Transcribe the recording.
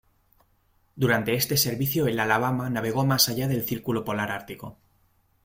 Durante este servicio el "Alabama" navegó más allá del Círculo polar ártico.